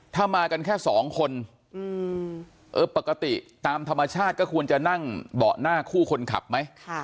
ถ้ามากันแค่สองคนเออปกติตามธรรมชาติก็ควรจะนั่งเบาะหน้าคู่คนขับไหม